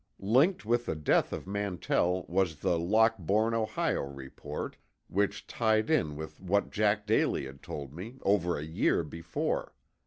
Linked with the death of Mantell was the Lockbourne, Ohio, report, which tied in with what Jack Daly had told me, over a year before.